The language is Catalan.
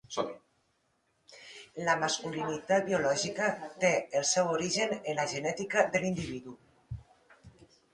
La masculinitat biològica té el seu origen en la genètica de l'individu.